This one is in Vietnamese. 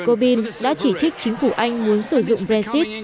công đảng đối lập jeremy corbyn đã chỉ trích chính phủ anh muốn sử dụng brexit